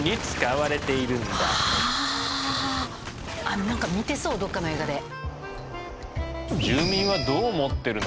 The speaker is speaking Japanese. あっ何か見てそうどっかの映画で。